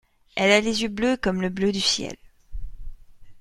Elle a les yeux bleus comme le bleu du ciel.